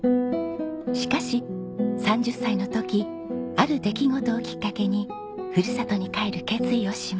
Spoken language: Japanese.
しかし３０歳の時ある出来事をきっかけにふるさとに帰る決意をします。